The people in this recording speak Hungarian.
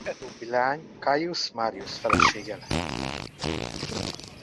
Ez utóbbi leány Caius Marius felesége lett.